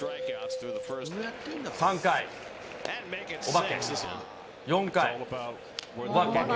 ３回、お化け、４回、お化け。